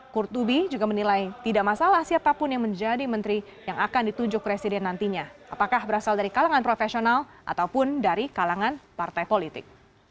kurtubi juga menilai tidak masalah siapapun yang menjadi menteri yang akan ditunjuk presiden nantinya apakah berasal dari kalangan profesional ataupun dari kalangan partai politik